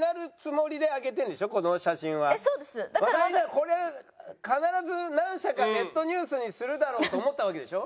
これ必ず何社かネットニュースにするだろうと思ったわけでしょ？